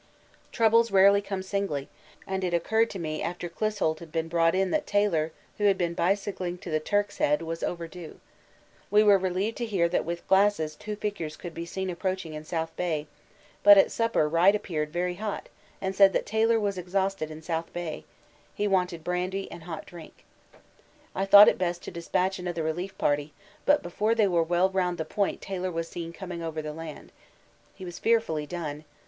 Troubles rarely come singly, and it occurred to me after Clissold had been brought in that Taylor, who had been bicycling to the Turk's Head, was overdue. We were relieved to hear that with glasses two figures could be seen approaching in South Bay, but at supper Wright appeared very hot and said that Taylor was exhausted in South Bay he wanted brandy and hot drink. I thought it best to despatch another relief party, but before they were well round the point Taylor was seen coming over the land. He was fearfully done.